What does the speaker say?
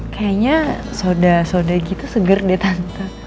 kayaknya soda soda gitu seger deh tante